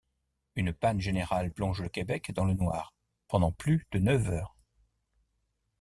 Une panne générale plonge le Québec dans le noir pendant plus de neuf heures.